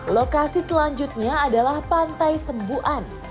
lokasi selanjutnya adalah pantai sembuan